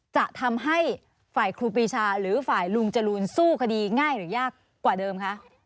จะทำให้ฝ่ายครูปีชาหรือฝ่ายลุงจรูนสู้คดีง่ายหรือยากกว่าเดิมคะ